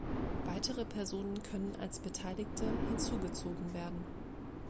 Weitere Personen können als Beteiligte hinzugezogen werden.